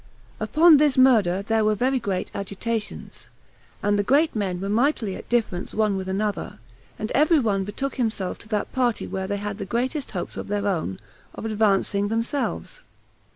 14 Upon this murder there were very great agitations, and the great men were mightily at difference one with another, and every one betook himself to that party where they had the greatest hopes of their own, of advancing themselves.